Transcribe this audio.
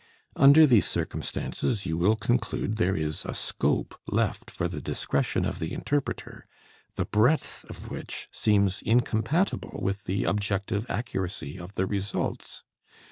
Under these circumstances, you will conclude there is a scope left for the discretion of the interpreter, the breadth of which seems incompatible with the objective accuracy of the results.